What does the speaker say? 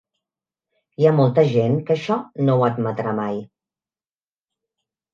Hi ha molta gent que això no ho admetrà mai.